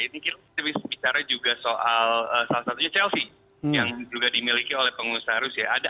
ini kita bisa bicara juga soal salah satunya chelsea yang juga dimiliki oleh pengusaha rusia